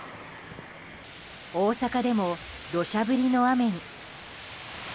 大阪でも、土砂降りの雨に。